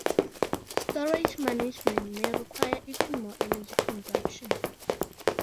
Storage management may require even more energy consumption.